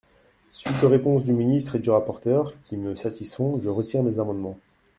Suite aux réponses du ministre et du rapporteur, qui me satisfont, je retire mes amendements.